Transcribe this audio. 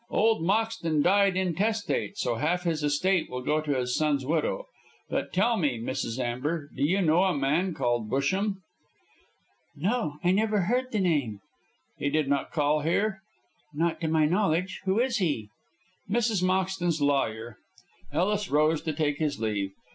"Old Moxton died intestate, so half his estate will go to his son's widow. But tell me, Mrs. Amber, do you know a man called Busham?" "No, I never heard the name." "He did not call here?" "Not to my knowledge. Who is he?" "Mrs. Moxton's lawyer." Ellis rose to take his leave.